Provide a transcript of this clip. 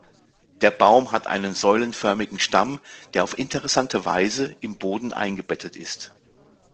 Der Baum hat einen säulenförmigen Stamm, der auf interessante Weise im Boden eingebettet ist.